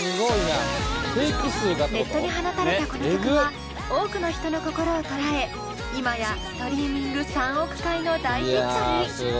ネットに放たれたこの曲は多くの人の心を捉え今やストリーミング３億回の大ヒットに！